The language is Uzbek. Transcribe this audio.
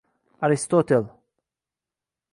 Aristotel`